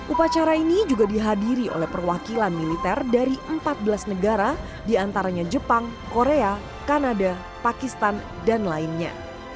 upacara ini juga dihadiri oleh perwakilan militer dari empat belas negara diantaranya jepang korea kanada pakistan dan lainnya